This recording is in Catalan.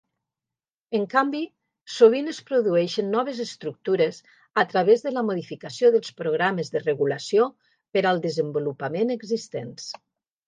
En canvi, sovint es produeixen noves estructures a través de la modificació dels programes de regulació per al desenvolupament existents.